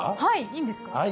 はいいいんですか？